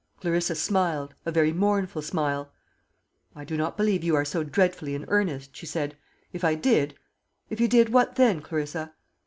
Clarissa smiled a very mournful smile. "I do not believe you are so dreadfully in earnest," she said. "If I did " "If you did, what then, Clarissa?"